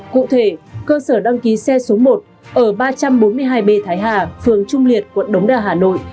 cụ thể cơ sở đăng ký xe số một ở ba trăm bốn mươi hai b thái hà phường trung liệt quận đống đa hà nội